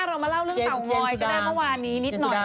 ก็ได้มาวานนี้นิดหน่อยค่ะเจนซูดา